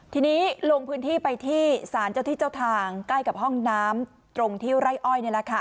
ทีนี้ลงพื้นที่ไปที่สารเจ้าที่เจ้าทางใกล้กับห้องน้ำตรงที่ไร่อ้อยนี่แหละค่ะ